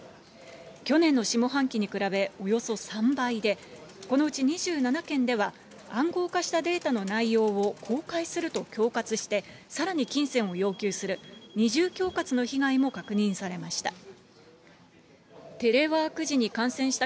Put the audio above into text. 去年の下半期に比べおよそ３倍で、このうち２７件では、暗号化したデータの内容を公開すると恐喝して、さらに金銭を要求する、二重恐喝の被害も確認されました。